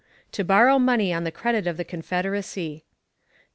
To borrow money on the credit of the Confederacy.